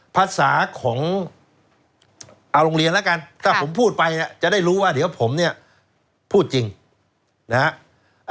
ภาษาของเอาโรงเรียนแล้วกันถ้าผมพูดไปเนี่ยจะได้รู้ว่าเดี๋ยวผมเนี่ยพูดจริงนะฮะ